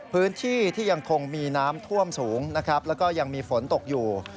พื้นที่ที่ยังคงมีน้ำท่วมสูงนะครับแล้วก็ยังมีฝนตกอยู่